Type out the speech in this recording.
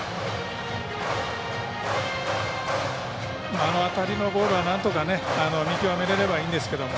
あの辺りのボールは見極めれればいいんですけど。